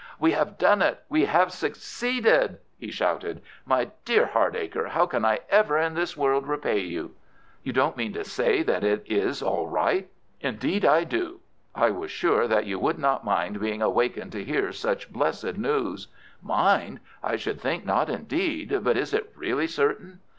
"We have done it! We have succeeded!" he shouted. "My dear Hardacre, how can I ever in this world repay you?" "You don't mean to say that it is all right?" "Indeed I do. I was sure that you would not mind being awakened to hear such blessed news." "Mind! I should think not indeed. But is it really certain?"